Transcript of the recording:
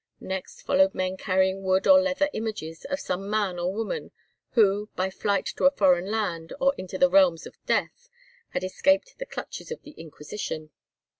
Next followed men carrying wood or leather images of some man or woman who, by flight to a foreign land or into the realms of Death, had escaped the clutches of the Inquisition.